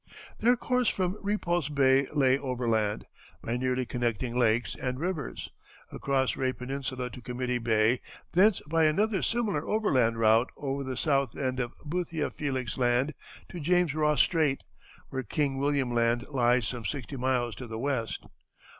] Their course from Repulse Bay lay overland, by nearly connecting lakes and rivers, across Rae Peninsula to Committee Bay, thence by another similar overland route over the south end of Boothia Felix Land, to James Ross Strait, where King William Land lies some sixty miles to the west.